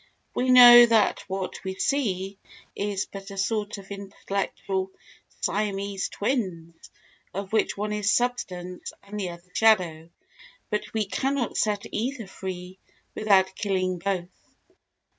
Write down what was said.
We know that what we see is but a sort of intellectual Siamese twins, of which one is substance and the other shadow, but we cannot set either free without killing both.